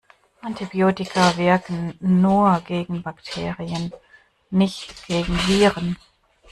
Antibiotika wirken nur gegen Bakterien, nicht gegen Viren.